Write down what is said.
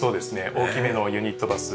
大きめのユニットバス。